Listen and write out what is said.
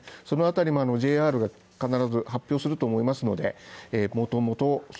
その辺りもＪＲが必ず発表すると思いますので子